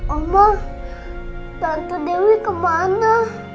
oma tante dewi kemana